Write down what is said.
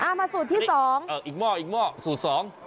อ่ามาสูตรที่สองอีกม่ออีกม่อสูตรสอง